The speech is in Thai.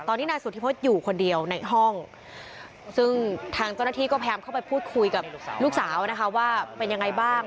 ตอนนี้นายสุธิพฤษอยู่คนเดียวในห้องซึ่งทางเจ้าหน้าที่ก็พยายามเข้าไปพูดคุยกับลูกสาวนะคะว่าเป็นยังไงบ้าง